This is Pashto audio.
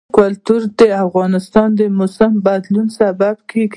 کلتور د افغانستان د موسم د بدلون سبب کېږي.